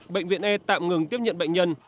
bệnh viện e tạm ngừng tiếp nhận bệnh nhân